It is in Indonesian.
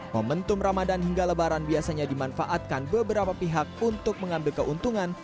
momentum ramadan hingga lebaran biasanya dimanfaatkan beberapa pihak untuk mengambil keuntungan